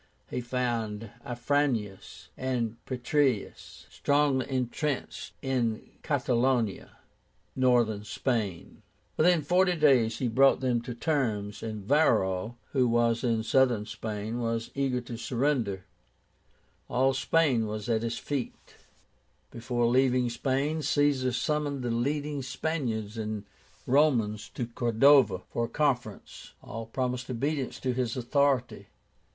He found Afranius and Petreius strongly intrenched at ILERDA in Catalonia (Northern Spain). Within forty days he brought them to terms, and Varro, who was in Southern Spain, was eager to surrender. All Spain was at his feet. Before leaving Spain, Caesar summoned the leading Spaniards and Romans to Cordova, for a conference. All promised obedience to his authority.